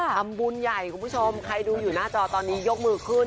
ทำบุญใหญ่คุณผู้ชมใครดูอยู่หน้าจอตอนนี้ยกมือขึ้น